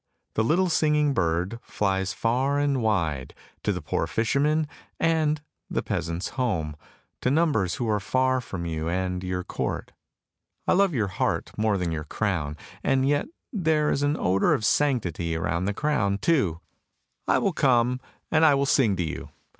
The little singing bird flies far and wide, to the poor fisherman, and the peasant's home, to numbers who are far from you and your court. I love your heart more than your crown, and yet there is an odour of sanctity round the crown too! — I will come, and I will sing to you!